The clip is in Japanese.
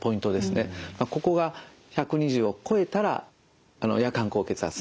ここが１２０を超えたら夜間高血圧。